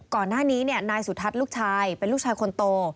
ก่อนหน้านี้นายสุทัศน์ลูกชายเป็นลูกชายคนโต